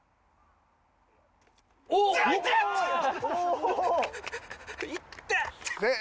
おっ。